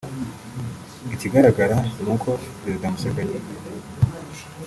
Ikigaragara ni uko Perezida Museveni